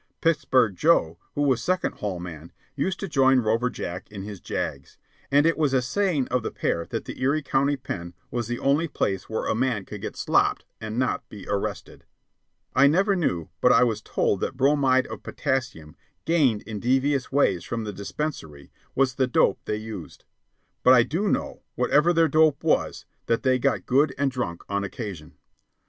Pittsburg Joe, who was Second Hall man, used to join Rover Jack in his jags; and it was a saying of the pair that the Erie County Pen was the only place where a man could get "slopped" and not be arrested. I never knew, but I was told that bromide of potassium, gained in devious ways from the dispensary, was the dope they used. But I do know, whatever their dope was, that they got good and drunk on occasion.